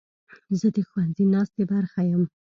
زه د ښوونځي ناستې برخه یم.